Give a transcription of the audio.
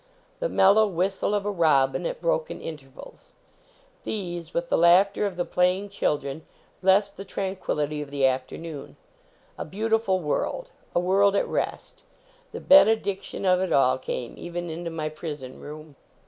The mellow whis tle of a robin, at broken intervals. These, with the laughter of the playing children, blessed the tranquillity of the afternoon. A beautiful world ; a world at rest. The ben ediction of it all came even into my prison room.